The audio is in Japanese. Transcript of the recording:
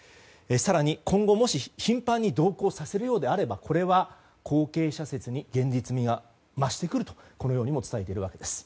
更に今後、もし頻繁に同行させるようであればこれは後継者説に現実味が増してくると伝えているわけです。